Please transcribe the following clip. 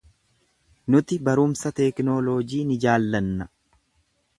Nuti baruumsa tekinooloojii ni jaallanna.